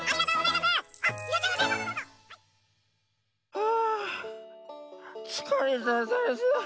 はあつかれたざんす。